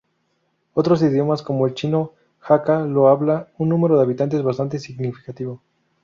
Otros idiomas como el chino hakka lo habla un número de habitantes bastante significativo.